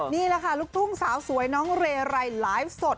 นี่แหละค่ะลูกทุ่งสาวสวยน้องเรไรไลฟ์สด